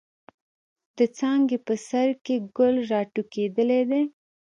د څانګې په سر کښې ګل را ټوكېدلے دے۔